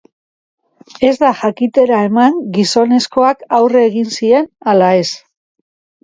Ez da jakitera eman gizonezkoak aurre egin zien ala ez.